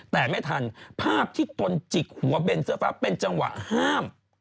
แต่ไม่ทันภาพที่ตนจิกหัวเบนเสื้อฟ้าเป็นจังหวะห้าม